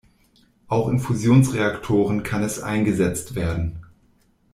Auch in Fusionsreaktoren kann es eingesetzt werden.